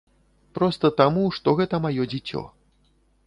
Проста таму, што гэта маё дзіцё.